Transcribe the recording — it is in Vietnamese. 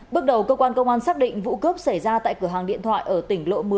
bước đầu cơ quan công an xác định vụ cướp xảy ra tại cửa hàng điện thoại ở tỉnh lộ một mươi